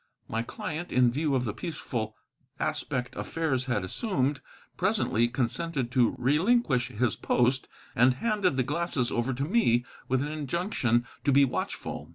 My client, in view of the peaceful aspect affairs had assumed, presently consented to relinquish his post, and handed the glasses over to me with an injunction to be watchful.